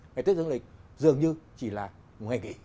ngày tết dương lịch dường như chỉ là một ngày nghỉ